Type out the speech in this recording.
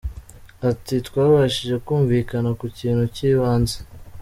Ati “Twabashije kumvikana ku kintu cy’ibanze.